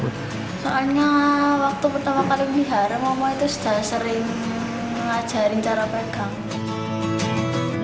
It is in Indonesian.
soalnya waktu pertama kali melihara mama itu sudah sering mengajarin cara pegang